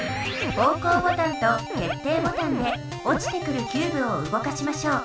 方向ボタンと決定ボタンでおちてくるキューブを動かしましょう。